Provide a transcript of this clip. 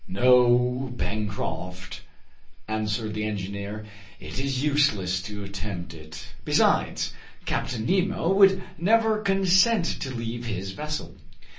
"No, Pencroft," answered the engineer, "it is useless to attempt it. Besides, Captain Nemo would never consent to leave his vessel.